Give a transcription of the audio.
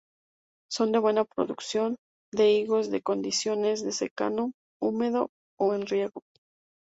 Son de buena producción de higos en condiciones de secano húmedo o en riego.